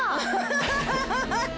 ハハハハ。